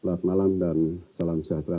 selamat malam dan salam sejahtera